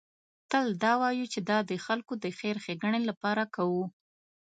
تل دا وایو چې دا د خلکو د خیر ښېګڼې لپاره کوو.